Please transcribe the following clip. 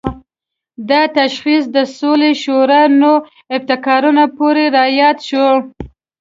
دا تشخیص د سولې شورا نوو ابتکارونو پورې راياد شو.